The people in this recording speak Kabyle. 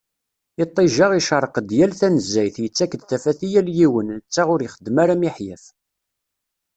Iṭij-a icerreq-d yal tanezzayt, yettak-d tafat i yal yiwen, netta ur ixeddem ara miḥyaf.